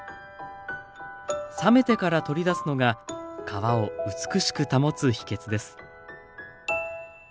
冷めてから取り出すのが皮を美しく保つ秘訣です。